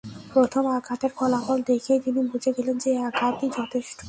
প্রথম আঘাতের ফলাফল দেখেই তিনি বুঝে গেলেন যে, এ আঘাতই যথেষ্ট।